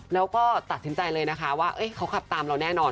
แล้วก็ตัดสินใจเลยนะคะว่าเขาขับตามเราแน่นอน